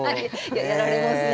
やられますね。